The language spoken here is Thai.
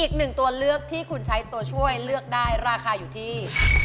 อีกหนึ่งตัวเลือกที่คุณใช้ตัวช่วยเลือกได้ราคาอยู่ที่